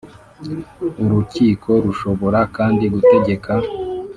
Urukiko rushobora kandi gutegeka.